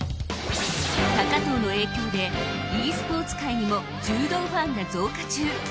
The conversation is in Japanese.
高藤の影響でｅ‐スポーツ界にも柔道ファンが増加中。